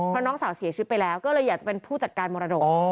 เพราะน้องสาวเสียชีวิตไปแล้วก็เลยอยากจะเป็นผู้จัดการมรดก